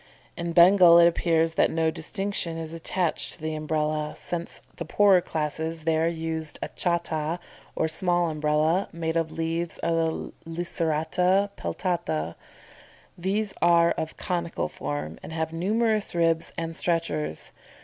In Bengal it appears that no distinction is attached to the Umbrella, since the poorer classes there use a cháta or small Umbrella, made of leaves of the Licerata peltata. These are of conical form and have numerous ribs and stretchers.